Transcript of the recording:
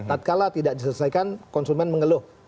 tadikalah tidak diselesaikan konsumen mengeluh